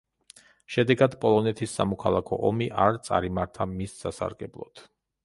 შედეგად პოლონეთის სამოქალაქო ომი არ წარიმართა მის სასარგებლოდ.